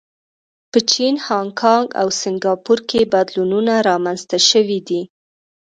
په چین، هانکانګ او سنګاپور کې بدلونونه رامنځته شوي دي.